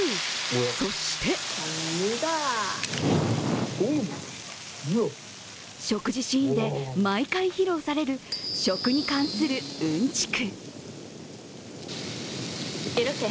そして食事シーンで毎回披露される食に関する、うんちく。